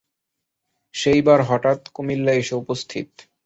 সেইবার হঠাৎ কুমিল্লা এসে উপস্থিত।